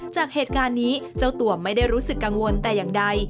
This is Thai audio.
จากเหตุการณ์นี้เจ้าตัวไม่ได้รู้สึกกังวลแต่อย่างใด